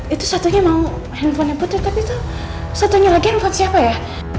itu satunya mau handphonenya putih tapi itu satunya lagi handphone siapa ya